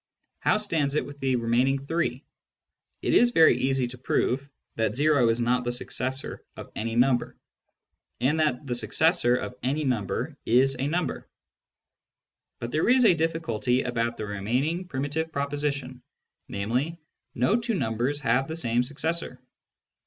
How stands it with the remaining three ? It is very easy to prove that o is not the successor of any number, and that the successor of any number is a number. But there is a difficulty about the remaining primitive proposition, namely, " no two numbers have the same successor."